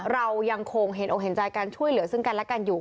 เรายังคงเห็นอกเห็นใจการช่วยเหลือซึ่งกันและกันอยู่